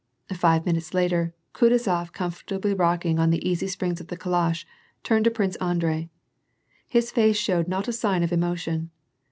Five minutes later, Kutuzof comfortably rocking on the easy springs of the calash, turned to Prince Andrei. His face showed not a sign of emotion.